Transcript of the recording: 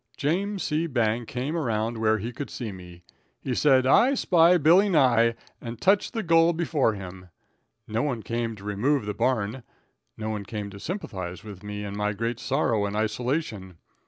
James C. Bang came around where he could see me. He said: "I spy Billy Nye and touch the goal before him." No one came to remove the barn. No one came to sympathize with me in my great sorrow and isolation.